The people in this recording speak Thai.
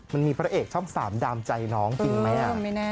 มันมีพระเอกช่อง๓ดามใจน้องจริงไหม